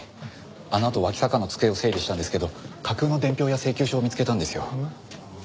あのあと脇坂の机を整理したんですけど架空の伝票や請求書を見つけたんですよ。